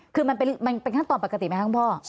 คือมันเป็นขั้นตอนปกติไหมครับคุณพ่อ